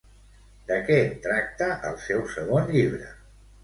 De què tracta el seu segon llibre?